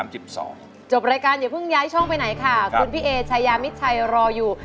จบรายการอย่าเพิ่งย้ายช่องไปไหนค่ะคุณพี่เอชายามิดชัยรออยู่